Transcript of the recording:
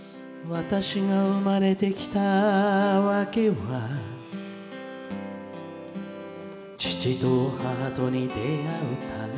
「私が生まれてきた訳は父と母とに出会うため」